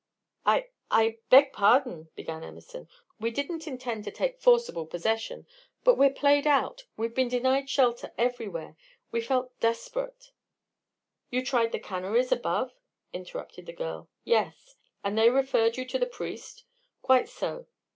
"I I beg pardon," began Emerson. "We didn't intend to take forcible possession, but we're played out we've been denied shelter everywhere we felt desperate " "You tried the canneries above?" interrupted the girl. "Yes." "And they referred you to the priest? Quite so."